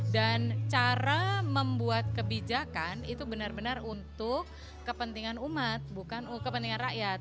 dan cara membuat kebijakan itu benar benar untuk kepentingan umat bukan kepentingan rakyat